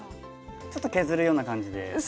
ちょっと削るような感じでやるんですね？